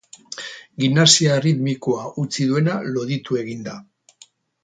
Gimnasia erritmikoa utzi duena loditu egin da.